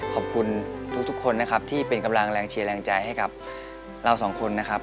ขอบคุณทุกคนนะครับที่เป็นกำลังแรงเชียร์แรงใจให้กับเราสองคนนะครับ